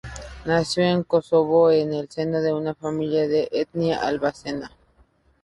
Nació en Kosovo en el seno de una familia de etnia albanesa.